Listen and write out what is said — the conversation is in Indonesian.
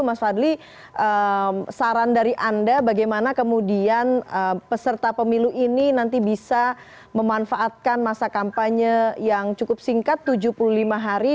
mas fadli saran dari anda bagaimana kemudian peserta pemilu ini nanti bisa memanfaatkan masa kampanye yang cukup singkat tujuh puluh lima hari